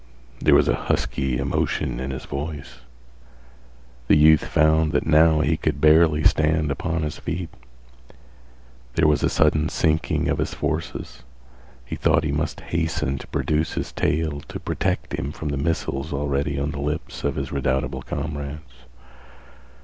There was husky emotion in his voice. The youth found that now he could barely stand upon his feet. There was a sudden sinking of his forces. He thought he must hasten to produce his tale to protect him from the missiles already on the lips of his redoubtable comrades.